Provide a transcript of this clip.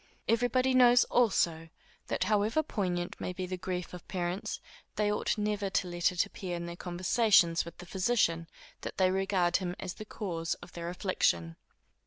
Every body knows, also, that however poignant may be the grief of parents, they ought never to let it appear in their conversations with the physician, that they regard him as the cause of their affliction.